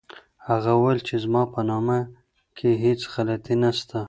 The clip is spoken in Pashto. هغه وویل چي زما په نامه کي هیڅ غلطي نسته.